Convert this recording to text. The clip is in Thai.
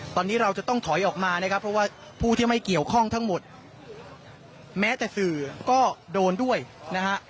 ตอนนี้เราจะต้องถอยออกมานะครับเพราะว่าผู้ที่ไม่เกี่ยวข้องทั้งหมดแม้แต่สื่อก็โดนด้วยนะฮะ